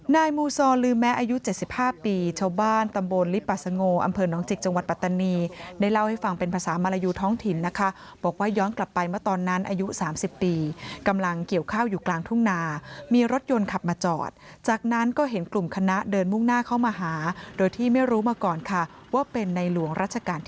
นายมูซอลืมแม้อายุ๗๕ปีชาวบ้านตำบลลิปปัสโงอำเภอน้องจิกจังหวัดปัตตานีได้เล่าให้ฟังเป็นภาษามารยูท้องถิ่นนะคะบอกว่าย้อนกลับไปเมื่อตอนนั้นอายุ๓๐ปีกำลังเกี่ยวข้าวอยู่กลางทุ่งนามีรถยนต์ขับมาจอดจากนั้นก็เห็นกลุ่มคณะเดินมุ่งหน้าเข้ามาหาโดยที่ไม่รู้มาก่อนค่ะว่าเป็นในหลวงรัชกาลที่